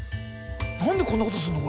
何でこんなことすんの？